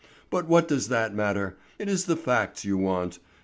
"But what does that matter? It is the facts you want.